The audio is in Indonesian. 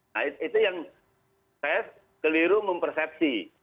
nah itu yang saya keliru mempersepsi